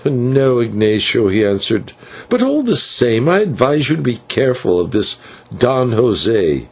"No, Ignatio," he answered; "but all the same I advise you to be careful of this Don José.